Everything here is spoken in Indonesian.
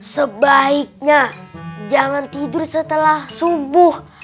sebaiknya jangan tidur setelah subuh